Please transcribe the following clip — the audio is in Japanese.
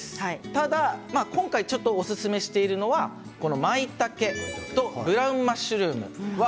ただ今回ちょっとおすすめしているのがまいたけとブラウンマッシュルームです。